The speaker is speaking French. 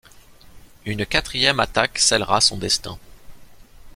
Une quatrième attaque scellera son destin.